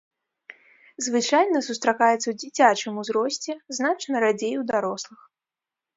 Звычайна сустракаецца ў дзіцячым узросце, значна радзей у дарослых.